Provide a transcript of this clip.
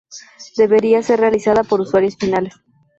Debería ser realizada por usuarios finales.